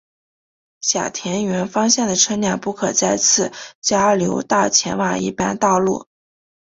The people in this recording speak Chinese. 小田原方向的车辆不可在此交流道前往一般道路。